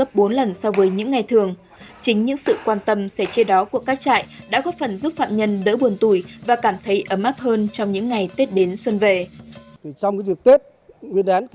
trong những ngày tết các phạm nhân được gấp bốn lần so với những ngày thường chính những sự quan tâm sẻ chê đó của các trại đã góp phần giúp phạm nhân đỡ buồn tùy và cảm thấy ấm áp hơn trong những ngày tết đến xuân về